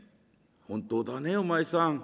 「本当だねお前さん。